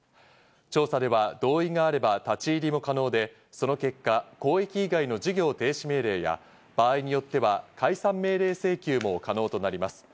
調査では同意があれば立ち入りも可能で、その結果、公益以外の事業停止命令や、場合によっては解散命令請求も可能となります。